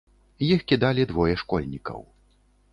Іх кідалі двое школьнікаў.